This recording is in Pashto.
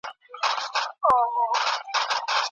بهرنۍ پانګونه ګټه لري خو زیان هم لري.